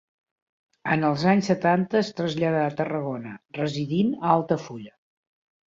En els anys setanta es traslladà a Tarragona, residint a Altafulla.